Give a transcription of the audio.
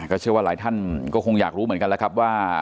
เชื่อว่าหลายท่านก็คงอยากรู้เหมือนกันแล้วครับว่า